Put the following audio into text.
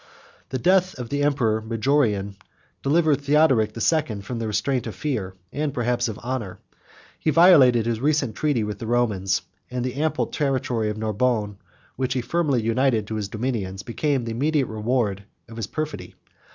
91 The death of the emperor Majorian delivered Theodoric the Second from the restraint of fear, and perhaps of honor; he violated his recent treaty with the Romans; and the ample territory of Narbonne, which he firmly united to his dominions, became the immediate reward of his perfidy.